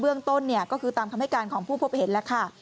เรื่องต้นก็คือตามคำให้การของผู้พบเห็นแล้วค่ะ